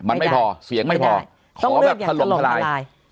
มันไม่พอเสียงไม่พอขอแบบถล่มทลาย